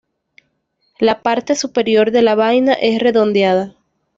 La parte superior de la vaina es redondeada.